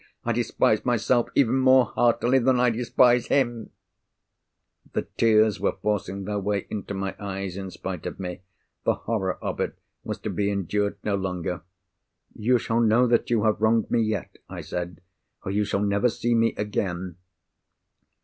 I despise myself even more heartily than I despise him!" The tears were forcing their way into my eyes in spite of me—the horror of it was to be endured no longer. "You shall know that you have wronged me, yet," I said. "Or you shall never see me again!"